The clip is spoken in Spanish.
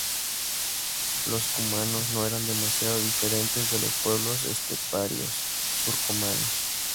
Los cumanos no eran demasiado diferentes de los pueblos esteparios turcomanos.